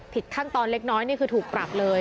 ขั้นตอนเล็กน้อยนี่คือถูกปรับเลย